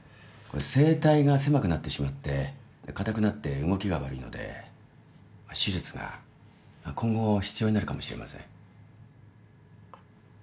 声帯が狭くなってしまって硬くなって動きが悪いので手術が今後必要になるかもしれません。